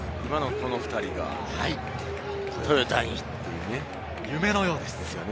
この２人がトヨタに、夢のようですよね。